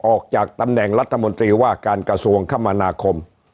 ออกจากตำแหน่งรัฐมนตรีว่าการกระทรวงคมนาคม